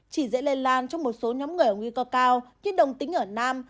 chỉ dễ lây lan cho một số nhóm người ở nguy cơ cao như đồng tính ở nam